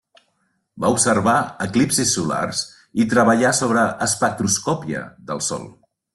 Va observar eclipsis solars i treballà sobre espectroscòpia del Sol.